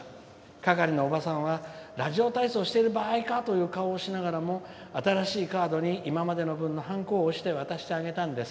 係のおばさんはラジオ体操してる場合か！という顔をしながらも新しいカードに今までの分のはんこを押して渡してあげたんです。